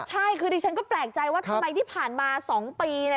ใช่คือที่ฉันก็แปลกใจว่าทำไมที่ผ่านมาสองปี